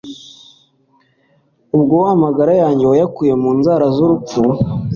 Ubwo amagara yanjye wayakuye mu nzara z’urupfu